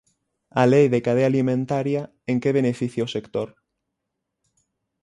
A Lei de cadea alimentaria ¿en que beneficia o sector?